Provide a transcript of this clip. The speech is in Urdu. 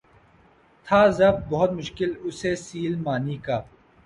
تھا ضبط بہت مشکل اس سیل معانی کا